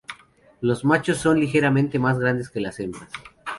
Los machos son ligeramente más grandes que las hembras.